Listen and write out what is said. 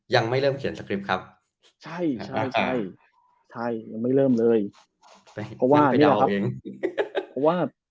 ยังไม่เริ่มเขียนการเก็บสกริปครับ